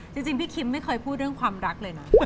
จริงพี่คิมไม่เคยพูดเรื่องความรักเลยนะ